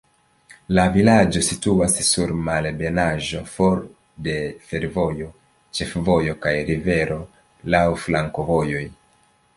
La vilaĝo situas sur malebenaĵo, for de fervojo, ĉefvojo kaj rivero, laŭ flankovojoj.